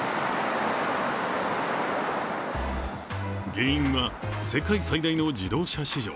原因は、世界最大の自動車市場